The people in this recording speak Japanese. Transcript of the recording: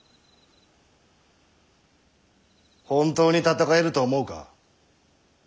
本当に戦えると思うか？